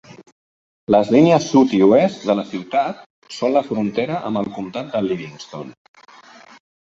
Les línies sud i oest de la ciutat són la frontera amb el comtat de Livingston.